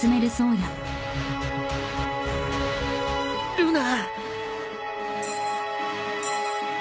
ルナ。